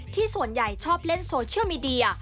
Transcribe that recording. ส่วนใหญ่ชอบเล่นโซเชียลมีเดีย